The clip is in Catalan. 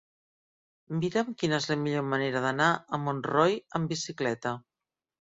Mira'm quina és la millor manera d'anar a Montroi amb bicicleta.